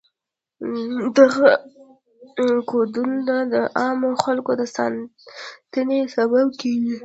دغه کودونه د عامو خلکو د ساتنې سبب کیږي.